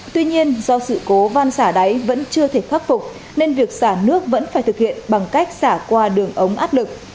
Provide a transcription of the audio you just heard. tuy nhiên do sự cố van xả đáy vẫn chưa thể khắc phục nên việc xả nước vẫn phải thực hiện bằng cách xả qua đường ống áp lực